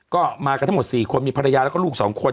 ก็มากันทั้งหมด๔คนมีภรรยาแล้วก็ลูก๒คน